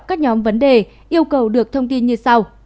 các nhóm vấn đề yêu cầu được thông tin như sau